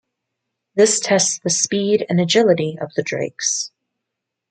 This tests the speed and agility of the drakes.